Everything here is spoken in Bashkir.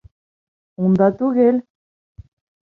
Унда түгел!